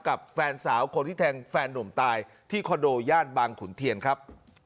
กับแฟนสาวคนที่แทงแฟนนุ่มตายที่คอนโดย่านบางขุนเทียนครับ